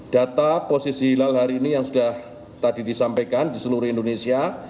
data posisi hilal hari ini yang sudah tadi disampaikan di seluruh indonesia